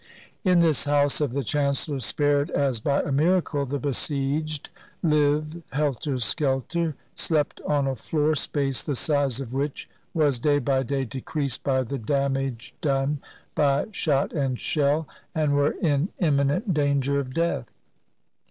In this house of the chancellor, spared as by a miracle, the besieged lived helter skelter, slept on a floor space the size of which was day by day decreased by the dam age done by shot and shell, and were in imminent danger of death.